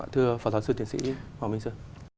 thưa phật giáo sư tiến sĩ hoàng minh sơn